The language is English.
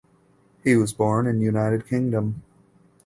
He was born in United Kingdom.